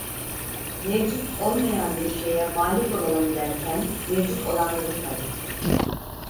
Mevcut olmayan bir şeye malik olalım derken mevcut olanları kaybettik…